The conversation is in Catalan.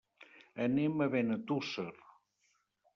Anem a Benetússer.